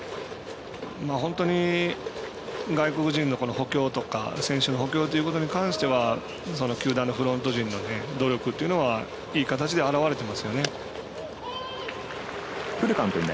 本当に外国人の補強とか選手の補強ということに関しては球団のフロント陣の努力というのがいい形で表れてますよね。